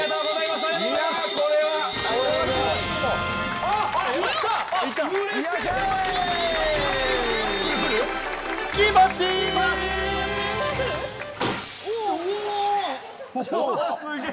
すげえ。